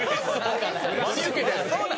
真に受けてる。